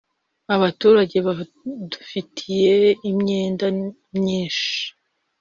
Abaturage badufitiye imyenda myinshi